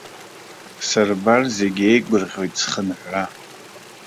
Сырбар, зегь еигәырӷьоит схынҳәра!